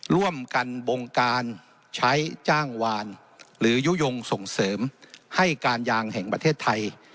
ร่วมกันบงการใช้จ้างวานหรือยุโยงส่งเสริมให้การยางแห่งประเทศไทย